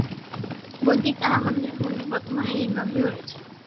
বৈদিক তারামণ্ডল মন্দির বর্তমানে নির্মাণাধীন রয়েছে।